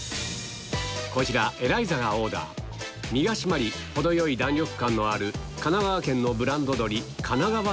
こちらエライザがオーダー身が締まり程よい弾力感のある神奈川県のブランド鶏